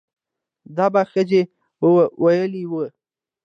دا به ښځې ويلې وي